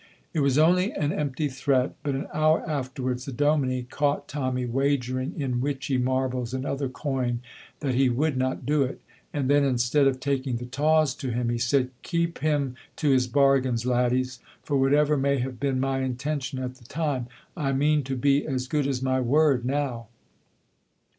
It was only an empty threat, but an hour afterwards the dominie caught Tommy wagering in witchy marbles and other coin that he would not do it, and then instead of taking the tawse to him he said, "Keep him to his bargains, laddies, for whatever may have been my intention at the time, I mean to be as good as my word now."